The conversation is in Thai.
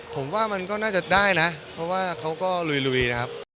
ผมว่ามันก็น่าจะได้นะเพราะว่าเขาก็ลุยนะครับ